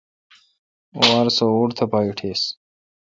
او وار سو ووٹ تھ پا ایٹیس۔